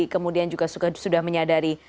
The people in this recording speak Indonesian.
kemudian juga sudah menyadari